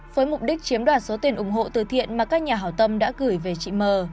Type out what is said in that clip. với mục đích chiếm đoạt số tiền ủng hộ từ thiện mà các nhà hảo tâm đã gửi về chị m